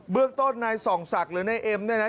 เบื้องต้นในส่องศักดิ์หรือในเอ็มด้วยนะ